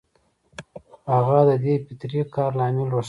د هغه د دې فطري کار لامل روښانه نه شو